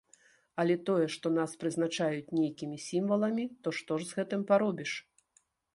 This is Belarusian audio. Але тое, што нас прызначаюць нейкімі сімваламі, то што ж з гэтым паробіш.